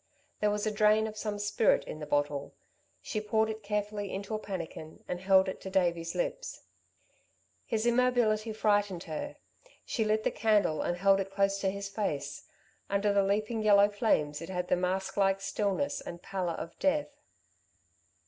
There was a drain of some spirit in the bottle. She poured it carefully into a pannikin and held it to Davey's lips. His immobility frightened her. She lit the candle and held it close to his face. Under the leaping yellow flames it had the mask like stillness and pallor of death.